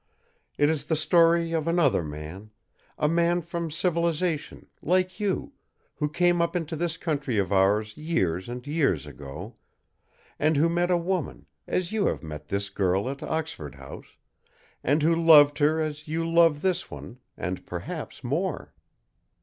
It is the story of another man a man from civilization, like you, who came up into this country of ours years and years ago, and who met a woman, as you have met this girl at Oxford House, and who loved her as you love this one, and perhaps more.